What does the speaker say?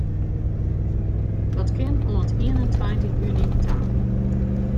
Dat kin oant ien en tweintich juny ta.